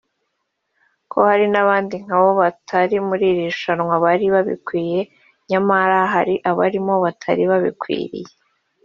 ko hari n’abandi nkabo batari muri iri rushanwa bari babikwiye nyamara hari abarimo batari babikwiriye